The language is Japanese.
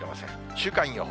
週間予報。